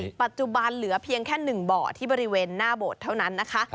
ปัจจุบันเหลือเพียงแค่๑บ่อที่บริเวณหน้าโบสถ์เท่านั้นนะคะ